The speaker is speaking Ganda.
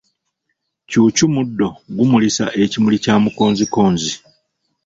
Ccuucu muddo pgumulisa ekimuli kya mukonzikonzi.